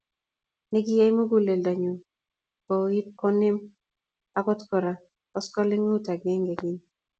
Nekiyai muguleldonyi kouit konem agot Kora koskolingut agenge keny